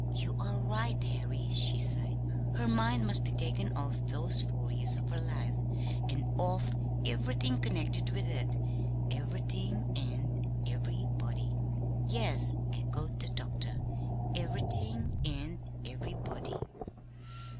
"You are right, Harry," she sighed. "Her mind must be taken off those four years of her life, and off everything connected with it; everything and everybody." "Yes," echoed the doctor; "everything and everybody.